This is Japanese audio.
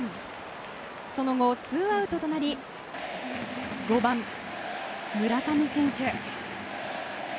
その後、ツーアウトとなり５番、村上選手。